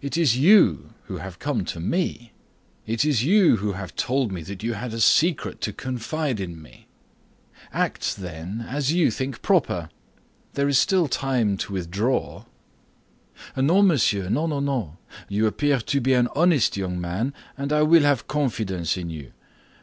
It is you who have come to me. It is you who have told me that you had a secret to confide in me. Act, then, as you think proper; there is still time to withdraw." "No, monsieur, no; you appear to be an honest young man, and I will have confidence in you.